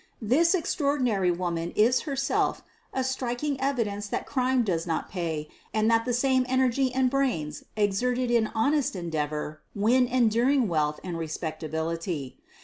This extraordinary woman is herself a striking evi dence that crime does not pay and that the same en ergy and brains exerted in honest endeavor win en during wealth and respectability.